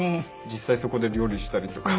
実際そこで料理したりとか。